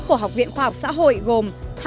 của học viện khoa học xã hội gồm